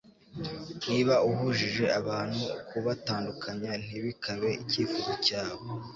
Niba Uhujije abantu kubatandukanya ntibikabe Icyifuzo cyawe